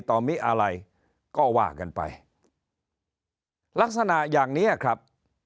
ต่อมิอะไรก็ว่ากันไปลักษณะอย่างเนี้ยครับ